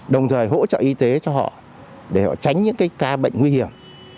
đồng thời hỗ trợ y tế cho họ để họ tránh những ca bệnh nguy hiểm